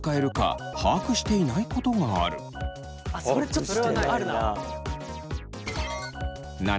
ちょっとあるな。